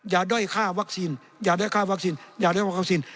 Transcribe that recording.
อย่าด้อยฆ่าวัคซีนอย่าด้อยฆ่าวัคซีนอย่าด้อยฆ่าวัคซีน